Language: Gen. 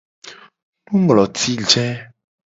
Nungloti je.